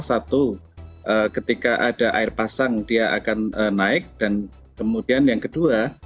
satu ketika ada air pasang dia akan naik dan kemudian yang kedua